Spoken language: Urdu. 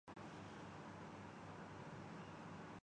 آخر یہاں مردہ انسانوں کے گوشت کھانے والے بھی ہیں۔